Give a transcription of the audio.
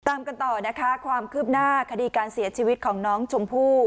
ตามกันต่อนะคะความคืบหน้าคดีการเสียชีวิตของน้องชมพู่